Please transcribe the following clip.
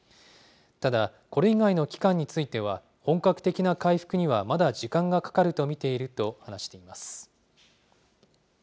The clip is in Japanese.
ただ、これ以外の期間については、本格的な回復にはまだ時間がかかると見ていると話しています。